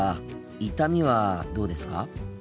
痛みはどうですか？